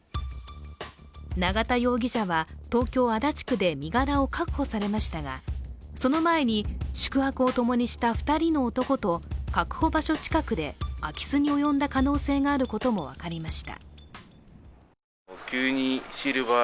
永田容疑者は東京・足立区で身柄を確保されましたがその前に、宿泊を共にした２人の男と確保場所近くで空き巣に及んだ可能性があることも分かりました。